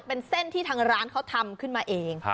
เป็นเส้นที่ทางร้านเขาทำขึ้นมาเอง